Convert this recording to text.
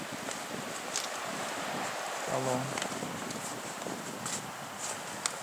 Hokimlarga yil yakuniga qadar imkon berildi